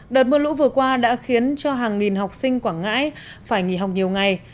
đợt mưa lũ vừa qua đã khiến cho hàng nghìn học sinh quảng ngãi phải nghỉ học nhiều ngày